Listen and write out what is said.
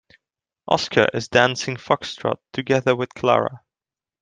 Oscar is dancing foxtrot together with Clara.